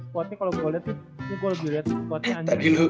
sportnya kalau gue liat nih ini gue lebih liat sportnya anjing